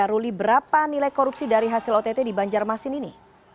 ruli berapa nilai korupsi dari hasil ott di banjarmasin ini